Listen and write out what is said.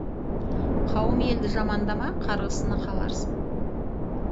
Қауым елді жамандама, қарғысына қаларсың.